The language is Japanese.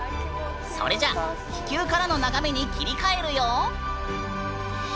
それじゃ気球からの眺めに切り替えるよ！